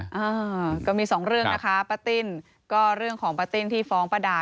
อ่าก็มีสองเรื่องนะคะป้าติ้นก็เรื่องของป้าติ้นที่ฟ้องป้าดา